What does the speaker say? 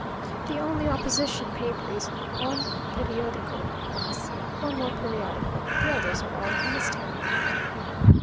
The only opposition paper is "Un Periódico Más;" one more periodical the others are all Ministerial.